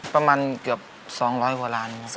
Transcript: ประมาณเกือบ๒๐๐กว่าล้านครับ